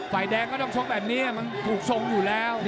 ฝ่ายแดงก็ต้องชกแบบนี้มันถูกทรงอยู่แล้ว